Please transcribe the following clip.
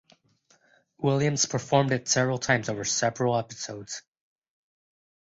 Williams performed it several times over several episodes.